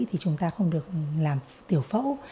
thì chúng ta không được làm tiểu phẫu